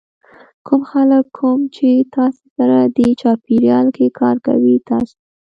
کوم خلک کوم چې تاسې سره دې چاپېریال کې کار کوي تاسې